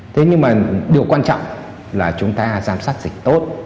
thế nhưng mà điều quan trọng là chúng ta giám sát dịch tốt